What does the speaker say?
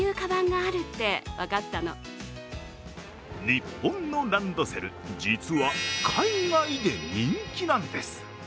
日本のランドセル、実は海外で人気なんです。